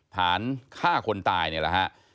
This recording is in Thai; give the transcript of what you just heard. ฐานฆ่าคนตายนี่แหละฮะ